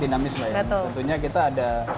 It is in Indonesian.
dinamis mbak ya tentunya kita ada